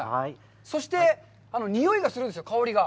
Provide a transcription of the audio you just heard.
そして、匂いがするんですよ、香りが。